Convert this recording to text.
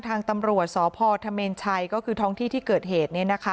ทางตำรวจสพธเมนชัยก็คือท้องที่ที่เกิดเหตุ